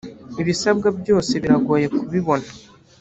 ibisabwa byose biragoye kubibona.